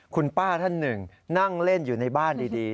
คุณป้าท่านหนึ่งนั่งเล่นอยู่ในบ้านดี